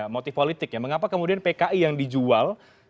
motif politik ya mengapa kemudian pki yang dijual